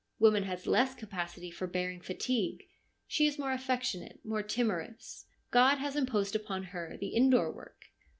Woman has less capacity for bearing fatigue ; she is more affectionate, more timorous. God has imposed upon her the indoor work.